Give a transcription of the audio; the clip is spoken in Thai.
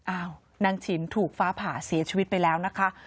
อ้าวนางฉินถูกฟ้าผ่าเสียชีวิตไปแล้วนะคะ